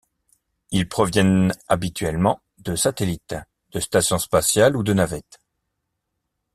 Ils proviennent habituellement de satellites, de stations spatiales ou de navettes.